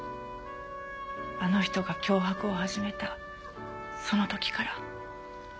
あの人が脅迫を始めたその時から。